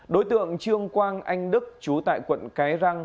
đối tượng trương quang anh đức chú tại quận cái răng